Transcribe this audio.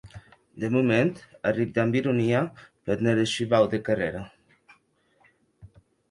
De moment, arric damb ironia peth nere shivau de carrèra.